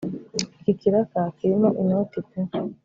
Iki kiraka kirimo inoti pe